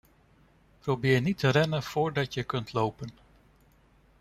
Probeer niet de rennen voordat je kunt lopen.